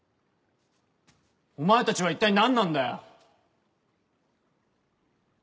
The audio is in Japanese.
お前たちは一体何なんだよ？